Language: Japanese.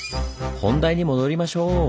本題に戻りましょう！